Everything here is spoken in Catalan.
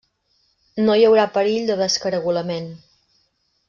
No hi haurà perill de descaragolament.